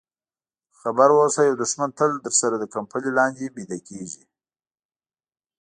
خبر واوسه یو دښمن تل درسره د کمپلې لاندې ویده کېږي.